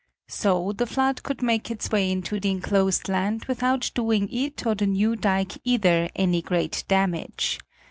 So the flood could make its way into the enclosed land without doing it or the new dike either any great damage.